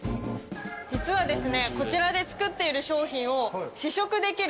実はですね。